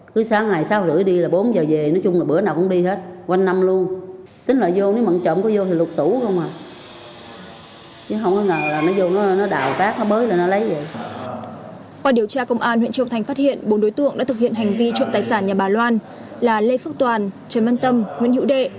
qua điều tra công an huyện châu thành phát hiện bốn đối tượng đã thực hiện hành vi trộm tài sản nhà bà loan là lê phước toàn trần văn tâm nguyễn hữu đệ